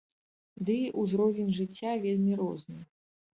Ды і ўзровень жыцця вельмі розны.